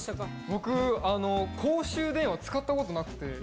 僕、公衆電話、使ったことなくて。